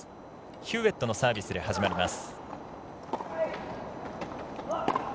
ヒューウェットのサービスで始まります。